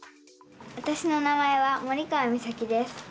わたしの名前は森川実咲です。